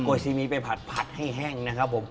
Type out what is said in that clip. ซีมีไปผัดให้แห้งนะครับผม